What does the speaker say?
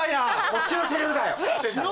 こっちのセリフだよ！